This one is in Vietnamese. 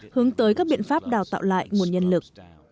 hướng tới các biện pháp đào tạo lại nguồn nhân lực